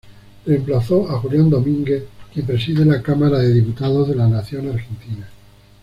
Reemplazó a Julián Domínguez, quien preside la Cámara de Diputados de la Nación Argentina.